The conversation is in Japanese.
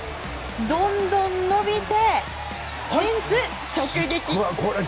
どんどん伸びてフェンス直撃。